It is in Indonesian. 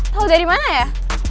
tau dari mana ya